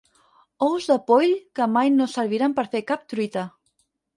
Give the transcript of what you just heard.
Ous de poll que mai no serviran per fer cap truita.